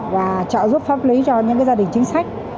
và trợ giúp pháp lý cho những gia đình chính sách